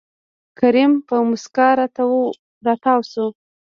کريم په موسکا راتاو شو.